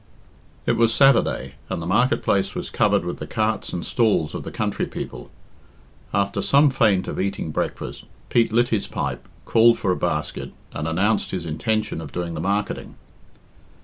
It was Saturday, and the market place was covered with the carts and stalls of the country people. After some feint of eating breakfast, Pete lit his pipe, called for a basket, and announced his intention of doing the marketing.